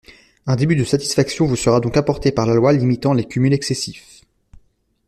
Un début de satisfaction vous sera donc apporté par la loi limitant les cumuls excessifs.